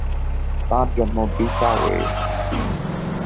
তাঁর জন্ম বিসাউ এ।